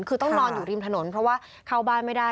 คือต้องนอนอยู่ริมถนนเพราะว่าเข้าบ้านไม่ได้